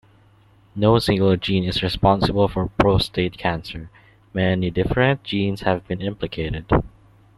No single gene is responsible for prostate cancer; many different genes have been implicated.